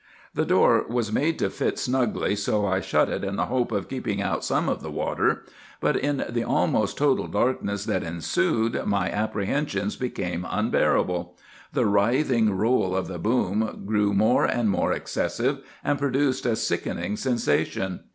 "The door was made to fit snugly, so I shut it in the hope of keeping out some of the water; but in the almost total darkness that ensued my apprehensions became unbearable. The writhing roll of the boom grew more and more excessive, and produced a sickening sensation.